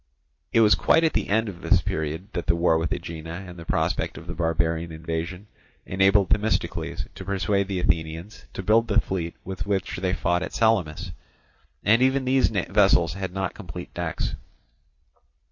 It was quite at the end of this period that the war with Aegina and the prospect of the barbarian invasion enabled Themistocles to persuade the Athenians to build the fleet with which they fought at Salamis; and even these vessels had not complete decks.